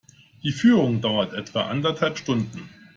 Die Führung dauert etwa anderthalb Stunden.